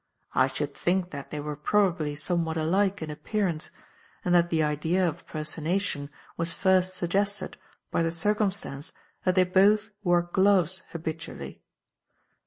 I should think that they were probably somewhat alike in appearance and that the idea of personation was first suggested by the circumstance that they both wore gloves habitually.